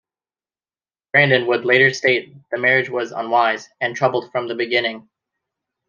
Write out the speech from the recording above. Branden would later state the marriage was unwise, and troubled from the beginning.